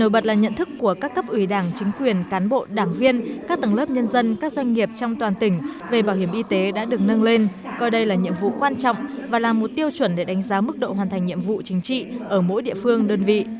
bật là nhận thức của các cấp ủy đảng chính quyền cán bộ đảng viên các tầng lớp nhân dân các doanh nghiệp trong toàn tỉnh về bảo hiểm y tế đã được nâng lên coi đây là nhiệm vụ quan trọng và là một tiêu chuẩn để đánh giá mức độ hoàn thành nhiệm vụ chính trị ở mỗi địa phương đơn vị